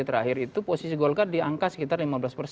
terakhir itu posisi golkar diangkat sekitar